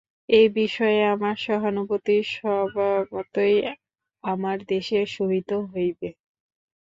এ বিষয়ে আমার সহানুভূতি স্বভাবতই আমার দেশের সহিত হইবে।